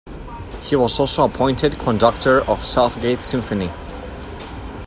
He was also appointed conductor of Southgate Symphony.